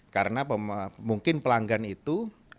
karena mungkin pelanggan itu